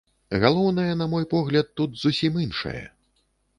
Галоўнае, на мой погляд, тут зусім іншае.